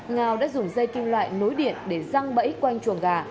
ngao đã dùng dây kim loại nối điện để răng bẫy quanh chuồng gà